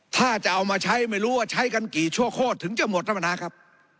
ถ้าจะเอามาใช้ไม่รู้ว่าใช้กันกี่ชั่วโคตรถึงจะหมดท่านประธานครับ